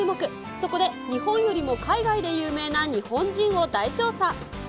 そこで、日本よりも海外で有名な日本人を大調査。